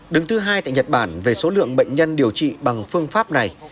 đứng thứ hai tại nhật bản về số lượng bệnh nhân điều trị bằng phương pháp này